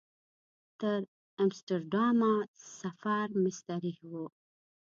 تر امسټرډامه سفر مستریح و.